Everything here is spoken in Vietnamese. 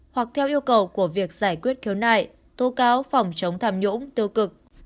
hoặc theo yêu cầu của việc giải quyết khiếu nại tố cáo phòng chống tham nhũng tiêu cực